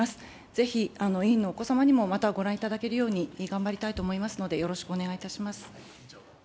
ぜひ委員のお子様にもまたご覧いただけるように頑張りたいと思いますので、よろしくお願いいたします。